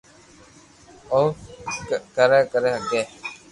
او ڪري ڪري ھگي